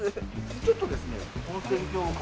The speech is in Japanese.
ちょっとですね。